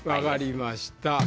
分かりました。